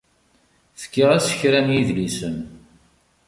Fkiɣ-as kra n yidlisen.